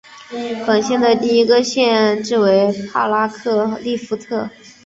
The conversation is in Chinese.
本县的第一个县治为帕拉克利夫特。